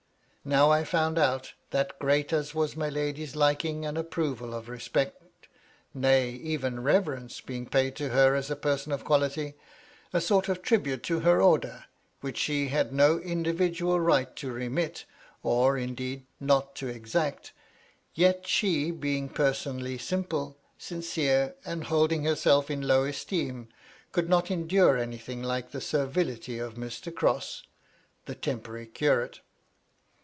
Now I found out, that great as was my lady's Uking and approval of respect, nay, even reverence, being paid to her as a person of quality, — a sort of tribute to her Order, which she had no in . dividual right to remit, or, indeed, not to exact, — ^yet she, being personally simple, sincere, and holding her self in low esteem, could not endure anything like tibie servility of Mr. Crosse, the temporary curate.